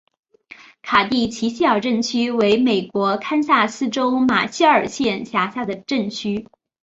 卡蒂奇希尔镇区为美国堪萨斯州马歇尔县辖下的镇区。